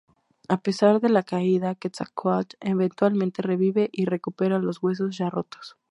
A pesar de la caída, Quetzalcóatl eventualmente revive y recupera los huesos ya rotos.